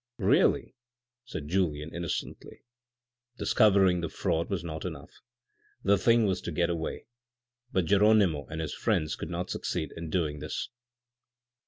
" Really," said Julien innocently. Discovering the fraud was not enough ; the thing was to get away, but Geronimo and his friends could not succeed in doing this.